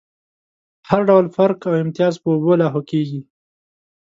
هر ډول فرق او امتياز په اوبو لاهو کېږي.